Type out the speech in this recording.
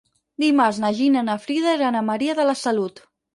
Dimarts na Gina i na Frida iran a Maria de la Salut.